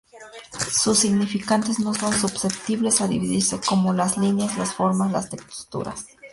Sus significantes no son susceptibles a dividirse, como las líneas, las formas, las texturas.